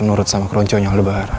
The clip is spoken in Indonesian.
nurut sama keronco yang lebaran